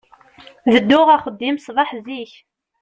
Bedduɣ axeddim ṣbeḥ zik.